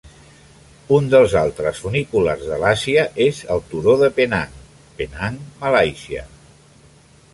Un dels altres funiculars de l'Àsia és al turó de Penang, Penang, Malàisia.